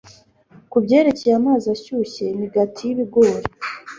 kubyerekeye amazi ashyushye imigati y'ibigori